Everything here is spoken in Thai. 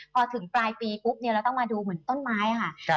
พอถึงปลายปีปุ๊บเนี่ยเราต้องมาดูเหมือนต้นไม้ค่ะ